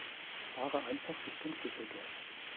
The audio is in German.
Fahre einfach Richtung Düsseldorf